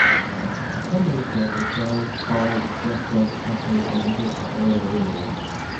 Accommodation like hotels, bars, restaurants, cafes, and resorts are all available.